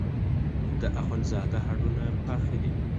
د اخوندزاده هډونه پاخه دي.